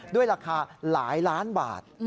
ด้วยราคาหลายล้านบาท